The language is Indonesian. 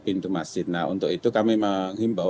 pintu masjid nah untuk itu kami menghimbau